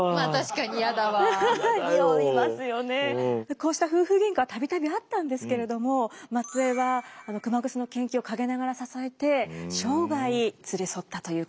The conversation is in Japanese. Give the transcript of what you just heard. こうした夫婦喧嘩は度々あったんですけれども松枝は熊楠の研究を陰ながら支えて生涯連れ添ったということです。